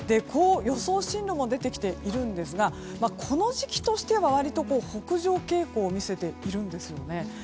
予想進路も出てきているんですがこの時期としては割と北上傾向を見せているんです。